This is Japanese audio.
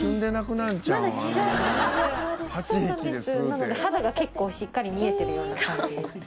なので肌が結構しっかり見えてるような感じです。